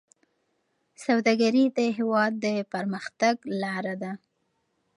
سوداګري د هېواد د پرمختګ لاره ده.